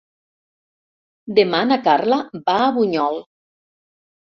Demà na Carla va a Bunyol.